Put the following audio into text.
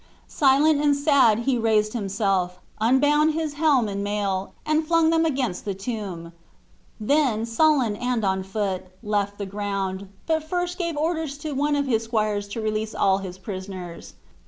Silent and sad, he raised himself, unbound his helm and mail, and flung them against the tomb; then, sullen and on foot, left the ground; but first gave orders to one of his squires to release all his prisoners.